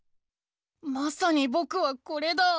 まさにぼくはこれだ。